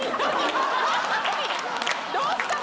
どうしたの？